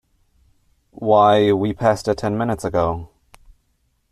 Why, we passed it ten minutes ago!